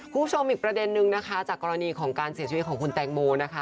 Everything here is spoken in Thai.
คุณผู้ชมอีกประเด็นนึงนะคะจากกรณีของการเสียชีวิตของคุณแตงโมนะคะ